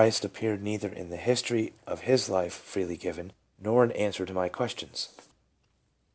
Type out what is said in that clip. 343 appeared neither in the history of his life freely given, nor in answer to my questions.